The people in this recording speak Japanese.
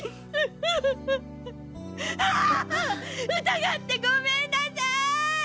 疑ってごめんなさい！